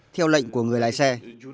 theo lệnh của người lái xe